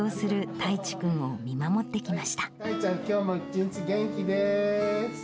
たいちゃん、きょうも一日元気です。